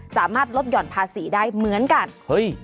สามารถลดหย่อนภาษีได้เหมือนกันเฮ้ย